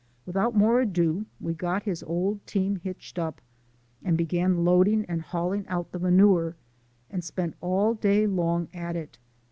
Without more ado we got his old team hitched up and began loading, and hauling out the manure, and spent all day long at it.